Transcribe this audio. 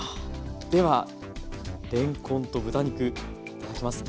ではれんこんと豚肉いただきます。